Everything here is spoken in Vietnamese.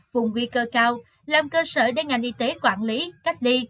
vùng nguy cơ cao làm cơ sở để ngành y tế quản lý cách ly